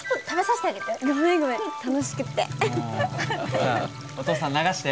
ほらお父さん流して。